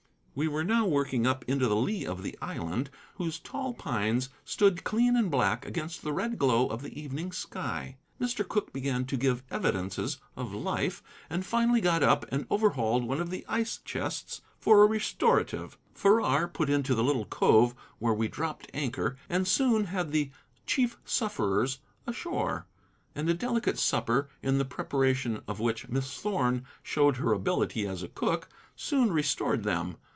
We were now working up into the lee of the island, whose tall pines stood clean and black against the red glow of the evening sky. Mr. Cooke began to give evidences of life, and finally got up and overhauled one of the ice chests for a restorative. Farrar put into the little cove, where we dropped anchor, and soon had the chief sufferers ashore; and a delicate supper, in the preparation of which Miss Thorn showed her ability as a cook, soon restored them.